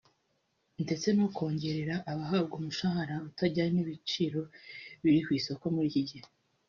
ndetse no kongerera abahabwa umushahara utajyanye n’ibiciro biri ku isoko muri iki gihe